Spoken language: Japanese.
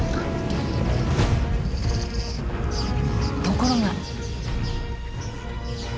ところが。